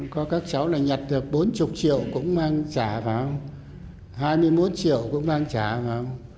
có các cháu là nhặt được bốn mươi triệu cũng mang trả vào hai mươi một triệu cũng mang trả